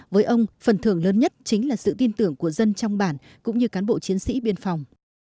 với ông phần thưởng lớn nhất chính là sự tin tưởng của dân trong bản cũng như cán bộ chiến sĩ biên phòng